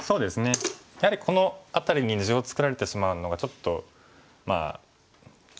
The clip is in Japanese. やはりこの辺りに地を作られてしまうのがちょっとまあ大きく見える。